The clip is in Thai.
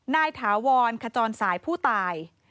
ถาวรขจรสายผู้ตาย